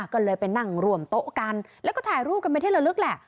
ก็เลยไปนั่งร่วมโต๊ะกันแล้วก็ถ่ายรูปกันไปที่ละลึกแหละ